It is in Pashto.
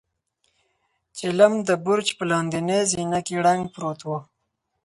چيلم د برج په لاندنۍ زينه کې ړنګ پروت و.